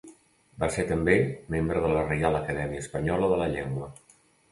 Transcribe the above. Va ser també membre de la Reial Acadèmia Espanyola de la llengua.